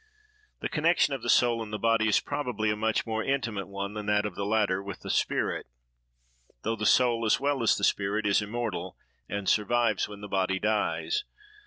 The connection of the soul and the body is probably a much more intimate one than that of the latter with the spirit,—though the soul, as well as the spirit, is immortal, and survives when the body dies.